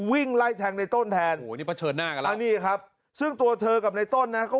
วิ่งไร้แทงในต้นแทนอันนี้แม่ใช่ประเฉินหน้าซึ่งตัวเธอกับในต้นแล้วก็